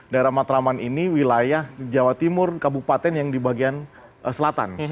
daerah matraman ini wilayah jawa timur kabupaten yang di bagian selatan